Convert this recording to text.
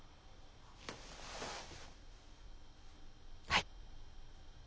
はい。